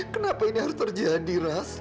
kenapa ini harus terjadi ras